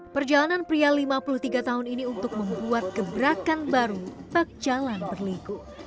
perjalanan pria lima puluh tiga tahun ini untuk membuat gebrakan baru berjalan berlipat